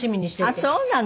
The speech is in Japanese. あっそうなの。